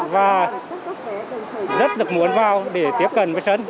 và muốn vào để tiếp cận với sân